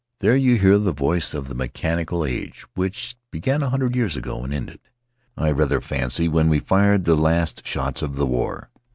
There you hear the voice of the mechanical age, which began a hundred years ago and ended — I rather fancy — when we fired the last shots of the war.